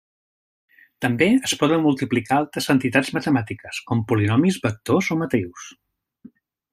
També es poden multiplicar altres entitats matemàtiques, com polinomis, vectors o matrius.